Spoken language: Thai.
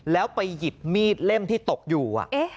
แล้วไปหยิบมีดเล่มที่ตกอยู่